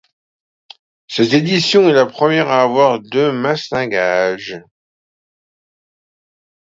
Cette édition est la première à avoir deux mainstages.